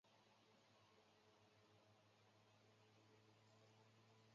西莱阿芒塞。